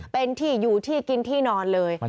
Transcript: เป็นที่อยู่ที่กินที่นอนเลย